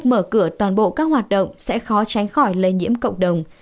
mở cửa toàn bộ các hoạt động sẽ khó tránh khỏi lây nhiễm cộng đồng